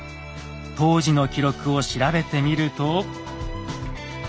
当時の記録を調べてみると。